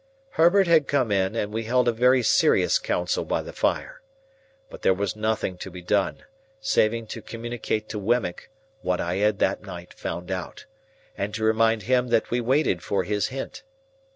Herbert had come in, and we held a very serious council by the fire. But there was nothing to be done, saving to communicate to Wemmick what I had that night found out, and to remind him that we waited for his hint.